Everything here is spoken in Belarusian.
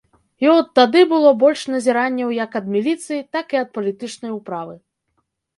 І от тады было больш назіранняў як ад міліцыі, так і ад палітычнай управы.